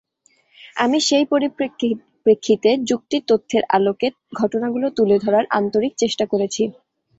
আমি সেই পরিপ্রেক্ষিতে যুক্তি-তথ্যের আলোকে ঘটনাগুলো তুলে ধরার আন্তরিক চেষ্টা করেছি।